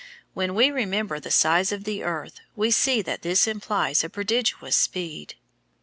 When we remember the size of the earth we see that this implies a prodigious speed.